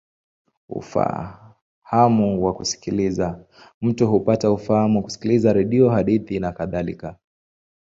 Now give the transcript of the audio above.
Ufahamu wa kusikiliza: mtu hupata ufahamu kwa kusikiliza redio, hadithi, nakadhalika.